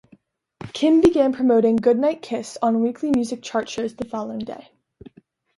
Kim began promoting "Good Night Kiss" on weekly music chart shows the following day.